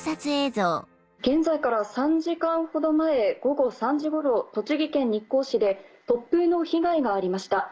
現在から３時間ほど前午後３時頃栃木県日光市で突風の被害がありました。